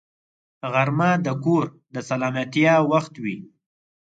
غرمه د کور د سلامتیا وخت وي